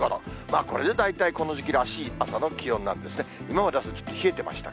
これで大体この時期らしい朝の気温なんですね。